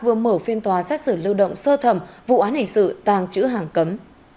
vừa mở phiên tòa xét xử lưu động sơ thẩm vụ án hình sự tàng chữ hàng cấm